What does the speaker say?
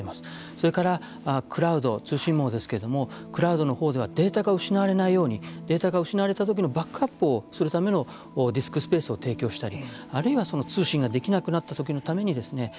それからクラウド通信網ですけれどもクラウドのほうではデータが失われないようにデータが失われたときのバックアップをするためのディスクスペースを提供したりあるいは、その通信ができなくなったときのためにですね